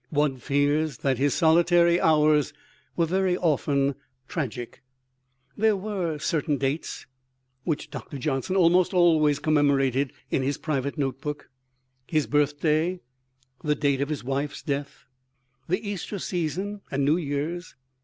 One fears that his solitary hours were very often tragic. There were certain dates which Doctor Johnson almost always commemorated in his private notebook his birthday, the date of his wife's death, the Easter season and New Year's.